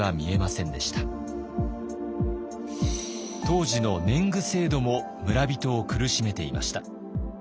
当時の年貢制度も村人を苦しめていました。